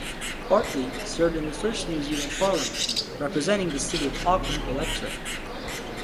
Bartley served in the First New Zealand Parliament, representing the City of Auckland electorate.